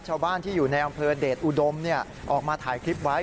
ชาวบ้านที่อยู่ในอำเภอเดชอุดมออกมาถ่ายคลิปไว้